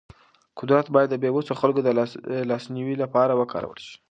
قدرت باید د بې وسو خلکو د لاسنیوي لپاره وکارول شي.